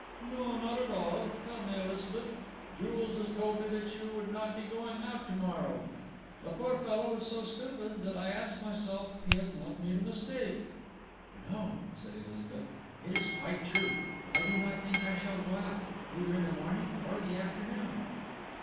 "No, not at all!... Tell me, Elizabeth.... Jules has told me that you would not be going out to morrow. The poor fellow is so stupid that I ask myself if he has not made a mistake?" "No," said Elizabeth. "It is quite true.... I do not think I shall go out, either in the morning or the afternoon."